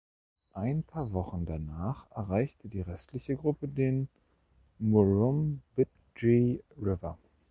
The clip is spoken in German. Ein paar Wochen danach erreichte die restliche Gruppe den Murrumbidgee River.